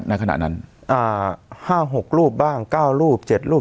ในขณะนั้นอ่าห้าหกรูปบ้างเก้ารูปเจ็ดรูป